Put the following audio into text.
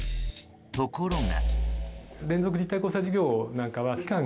ところが。